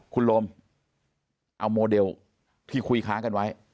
คุณโรมเอาโมเดลที่คุยค้างกันไว้